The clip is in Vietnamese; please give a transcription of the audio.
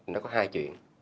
nó có hai chuyện